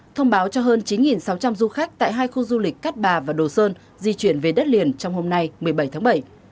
thông báo cho hơn chín sáu trăm linh du khách tại hai khu du lịch cát bà và đồ sơn di chuyển về đất liền trong hôm nay một mươi bảy tháng bảy